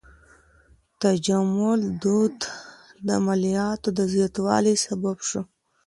د تجمل دود د مالیاتو د زیاتوالي سبب سو.